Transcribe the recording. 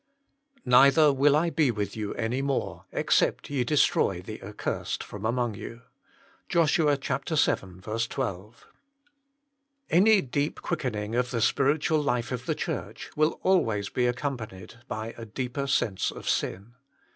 "Neither will I be with you any more, except ye destroy the accursed from among you." JOSH, vii 12. A NY deep quickening of the spiritual life of the Church will always be accompanied by a deeper sense of sin.